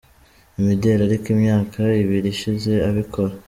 imideli ariko imyaka ibiri ishize abikora.